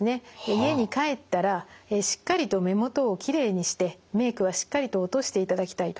家に帰ったらしっかりと目元をきれいにしてメイクはしっかりと落としていただきたいと。